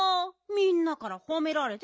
みんなからほめられて。